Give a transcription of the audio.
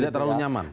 tidak terlalu nyaman